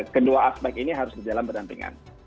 kedua aspek ini harus berjalan berdampingan